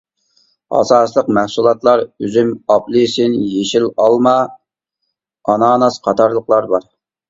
ئاساسلىق مەھسۇلاتلار ئۈزۈم ئاپېلسىن، يېشىل ئالما، ئاناناس قاتارلىقلار بار.